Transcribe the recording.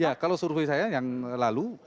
ya kalau survei saya yang lalu